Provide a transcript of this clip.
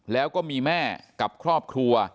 แล้วก็มีแม่กับครอบครัว